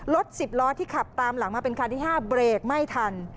รถ๑๐ล้อที่ขับตามหลังมาเป็นคันที่๕เบรกไม่ทัน